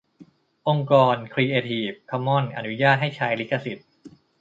องค์กร ครีเอทีฟ คอมมอนส์ อนุญาตให้ใช้ลิขสิทธิ์